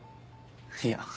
いや。